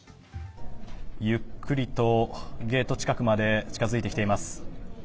ゆっくりとゲート近くまで近付いてきています。